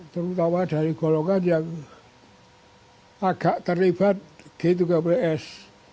terutama dari golongan yang agak terlibat gitu ke bres